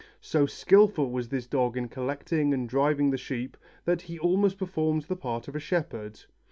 So skillful was this dog in collecting and driving the sheep, that he almost performed the part of a shepherd.